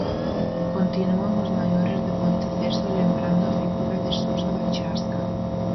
Continúan os maiores de Ponteceso lembrando a figura de Susa da Chasca.